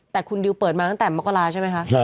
แต่คุณดิวเปิดมาตั้งแต่มกราใช่ไหมคะ